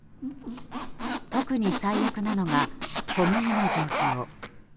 特に最悪なのが小麦の状況。